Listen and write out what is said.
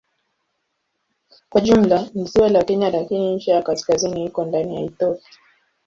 Kwa jumla ni ziwa la Kenya lakini ncha ya kaskazini iko ndani ya Ethiopia.